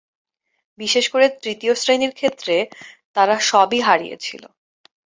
বিশেষ করে তৃতীয় শ্রেণীর ক্ষেত্রে, তারা সবই হারিয়েছিল।